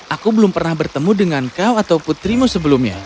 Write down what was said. aku belum pernah bertemu dengan kau atau putrimu sebelumnya